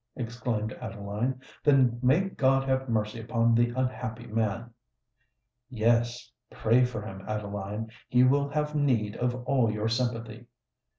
exclaimed Adeline. "Then may God have mercy upon the unhappy man!" "Yes—pray for him, Adeline: he will have need of all your sympathy!"